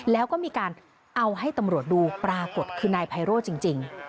แล้วก็มีการเอาให้ตำรวจดูปรากฏคือนายไพโร่จริง